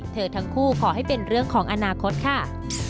ทั้งคู่ขอให้เป็นเรื่องของอนาคตค่ะ